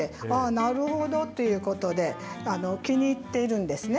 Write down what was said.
なるほどっていうことで気に入っているんですね。